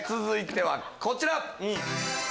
続いてはこちら。